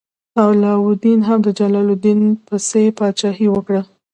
علاوالدین هم د جلال الدین پسې پاچاهي وکړه.